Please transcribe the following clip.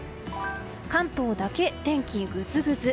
関東だけ天気グズグズ。